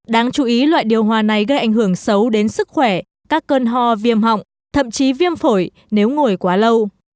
đáng chú ý loại điều hòa này gây ảnh hưởng xấu đến sức khỏe các cơn ho viêm họng thậm chí viêm phổi nếu ngồi quá lâu